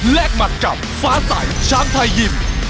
แลกมัดกับฟ้าใสช้างไทยยิ่ม